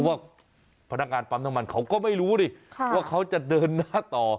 ว่าพนักงานปั๊มน้ำมันเขาก็ไม่รู้ดิว่าเขาจะเดินหน้าต่อ